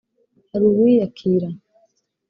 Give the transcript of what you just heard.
hari uwiyakira